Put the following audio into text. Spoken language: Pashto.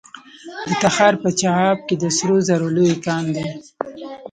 د تخار په چاه اب کې د سرو زرو لوی کان دی.